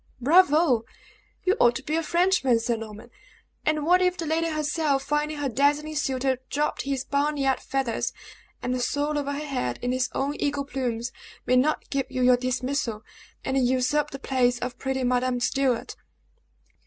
"Bravo! You ought to be a Frenchman, Sir Norman! And what if the lady herself, finding her dazzling suitor drop his barnyard feathers, and soar over her head in his own eagle plumes, may not give you your dismissal, and usurp the place of pretty Madame Stuart."